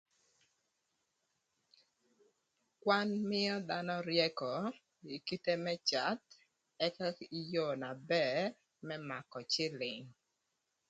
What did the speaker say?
Kwan mïö dhanö ryëkö ï kite më cath ëka kï yoo na bër më mako cïlïng